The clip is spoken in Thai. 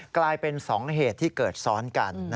กลายเป็น๒เหตุที่เกิดซ้อนกัน